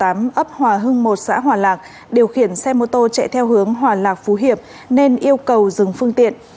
ấp hòa hưng một xã hòa lạc điều khiển xe mô tô chạy theo hướng hòa lạc phú hiệp nên yêu cầu dừng phương tiện